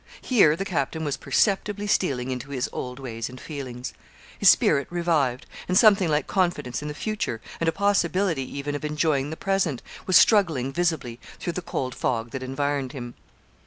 Here the captain was perceptibly stealing into his old ways and feelings. His spirit revived; something like confidence in the future, and a possibility even of enjoying the present, was struggling visibly through the cold fog that environed him.